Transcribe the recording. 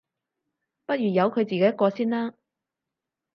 不如由佢自己一個先啦